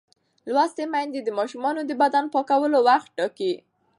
لوستې میندې د ماشومانو د بدن پاکولو وخت ټاکي.